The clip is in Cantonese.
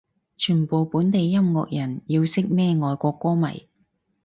全部本地音樂人要識咩外國歌迷